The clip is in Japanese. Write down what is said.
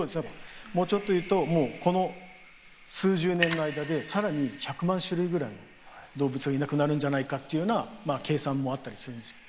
もうちょっと言うともうこの数十年の間で更に１００万種類ぐらいの動物がいなくなるんじゃないかっていうような計算もあったりするんですよ。